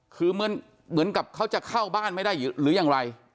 คือเหมือนกับเขาจะเข้าบ้านไม่ได้หรือยังไร